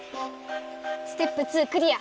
ステップ２クリア！